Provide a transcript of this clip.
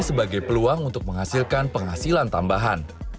sebagai peluang untuk menghasilkan penghasilan tambahan